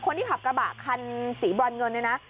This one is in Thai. คนที่ขับกระบะคันสีบรอนเงินเนี่ยนะ